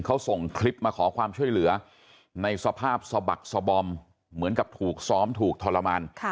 เขาส่งคลิปมาขอความช่วยเหลือในสภาพสะบักสบอมเหมือนกับถูกซ้อมถูกทรมาน